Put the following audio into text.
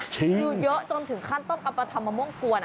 คือยเยอะต้องถึงขั้นเป็นข้อคำทางประทำมหัวงควร